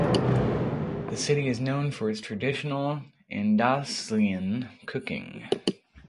The city is known for its traditional Andalusian cooking.